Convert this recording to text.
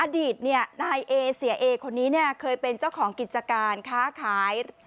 อดีตนายเอเสียเอคนนี้เนี่ยเคยเป็นเจ้าของกิจการค้าขาย